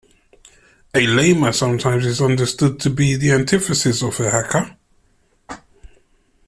A lamer is sometimes understood to be the antithesis of a hacker.